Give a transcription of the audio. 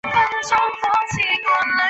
详细请参考本州四国联络桥公团。